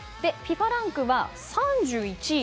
ランクは３１位。